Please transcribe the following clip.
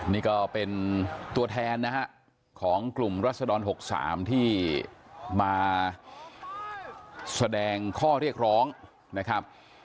นี่ก็เป็นตัวแทนนะฮะของกลุ่มรัศดร๖๓ที่มาแสดงข้อเรียกร้องนะครับ